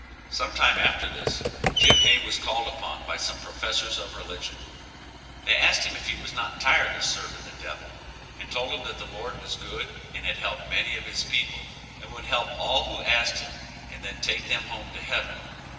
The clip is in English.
Sometime after this, Jim Hay was called upon by some professors of religion; they asked him if he was not tired of serving the devil, and told him that the Lord was good and had helped many of his people, and would help all who asked him and then take them home to heaven.